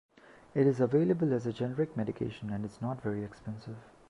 It is available as a generic medication and is not very expensive.